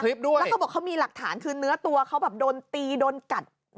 แล้วเขาบอกเขามีหลักฐานคือเนื้อตัวเขาแบบโดนตีโดนกัด